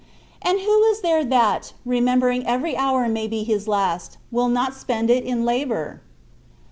And who is there that, remembering every hour may be his last, will not spend it in labour